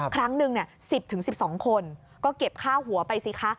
ครั้งหนึ่ง๑๐๑๒คนก็เก็บค่าหัวไปสิคะ